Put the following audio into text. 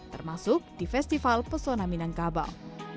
termasuk di festival pesona minangkabau